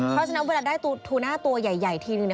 เพราะฉะนั้นเวลาได้ทูน่าตัวใหญ่ทีนึง